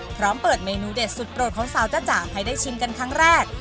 พร้อมเปิดเมนูเด็ดสุดโปรดของสาวจ้าจ๋าให้ได้ชิมกันครั้งแรก